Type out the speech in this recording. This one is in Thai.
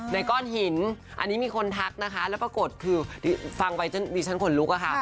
ในก้อนหินอันนี้มีคนทักปรากฏคือฟังไว้ชั้นข่นลุกอะค่ะ